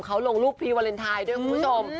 เขาลงรูปพีวาเลนไทยด้วยคุณผู้ชม